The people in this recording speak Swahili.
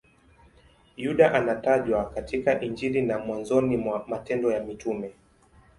Yuda anatajwa katika Injili na mwanzoni mwa Matendo ya Mitume.